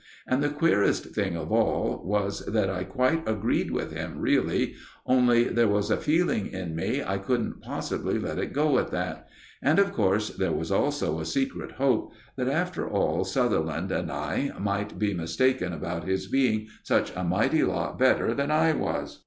And the queerest thing of all was that I quite agreed with him really, only there was a feeling in me I couldn't possibly let it go at that; and, of course, there was also a secret hope that, after all, Sutherland and I might both be mistaken about his being such a mighty lot better than I was.